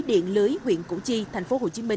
điện lưới huyện củ chi tp hcm